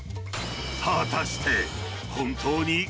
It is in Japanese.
［果たして本当に］